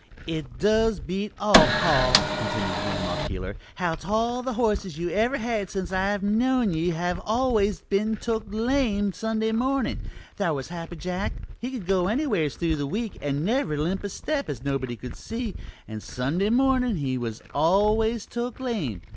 "It does beat all, pa," continued Grandma Keeler, "how 't all the horses you've ever had since I've known ye have always been took lame Sunday mornin'. Thar' was 'Happy Jack,' he could go anywhers through the week, and never limp a step, as nobody could see, and Sunday mornin' he was always took lame!